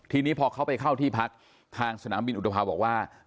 ทีนี้พอเขาไปเข้าที่พักทางสนามบินอุตภาวบอกว่า